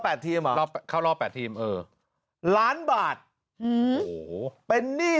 แปดทีมอ่ะรอบเข้ารอบแปดทีมเออล้านบาทโอ้โหเป็นหนี้